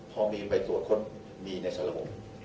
พอมีไปตรวจค้นมีในสารผม